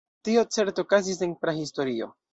Tio certe okazis en prahistorio.